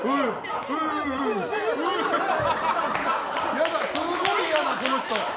嫌だ、すごい嫌だ、この人！